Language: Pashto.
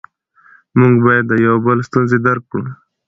موږ باید د یو بل ستونزې درک کړو